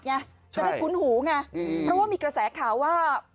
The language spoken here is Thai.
จะได้คุ้นหูไงเพราะว่ามีกระแสข่าวว่า